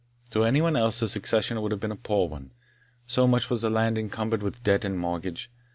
To any one else the succession would have been a poor one, so much was the land encumbered with debt and mortgage.